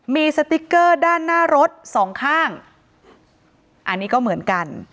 มีสติ๊กเกอร์ด้านหน้ารถสองข้างอันนี้ก็เหมือนกัน